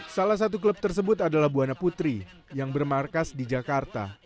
salah satu klub tersebut adalah buana putri yang bermarkas di jakarta